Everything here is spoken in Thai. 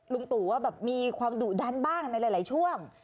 ตู่ว่าแบบมีความดุดันบ้างในหลายช่วง